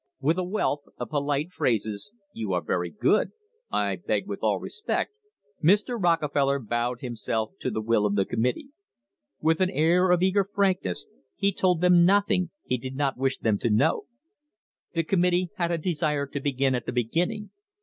With a wealth of polite phrases "You are very good," "I beg with all respect" Mr. Rockefeller bowed himself to the will of the committee. With an air of eager frankness he told them nothing he did not wish them to know. The com mittee had a desire to begin at the beginning.